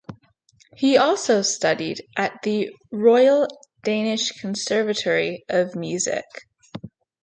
He also studied at The Royal Danish Conservatory of Music.